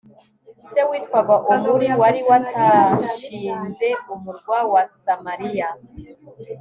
Se witwaga Omuri wari watashinze umurwa wa Samariya